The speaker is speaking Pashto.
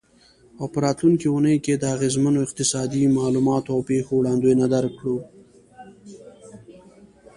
او په راتلونکې اونۍ کې د اغیزمنو اقتصادي معلوماتو او پیښو وړاندوینه درکړو.